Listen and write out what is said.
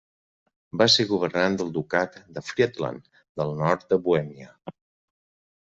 Va ser governant del Ducat de Friedland del nord de Bohèmia.